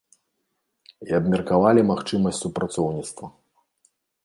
І абмеркавалі магчымасць супрацоўніцтва.